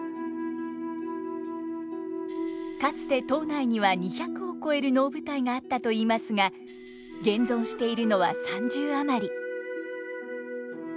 かつて島内には２００を超える能舞台があったといいますが現存しているのは３０余り。